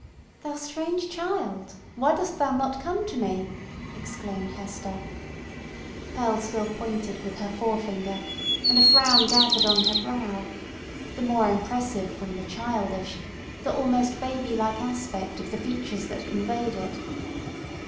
"Thou strange child! why dost thou not come to me?" exclaimed Hester. Pearl still pointed with her forefinger, and a frown gathered on her brow—the more impressive from the childish, the almost baby like aspect of the features that conveyed it.